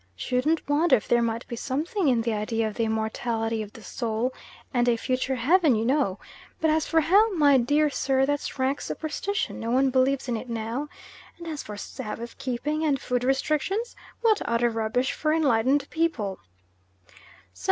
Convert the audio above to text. "Shouldn't wonder if there might be something in the idea of the immortality of the soul, and a future Heaven, you know but as for Hell, my dear sir, that's rank superstition, no one believes in it now, and as for Sabbath keeping and food restrictions what utter rubbish for enlightened people!"